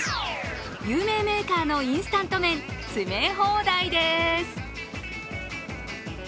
有名メーカーのインスタント麺、詰め放題です。